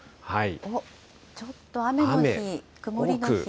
おっ、ちょっと雨の日、曇りの日。